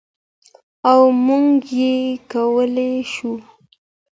او موږ يې کولای شو.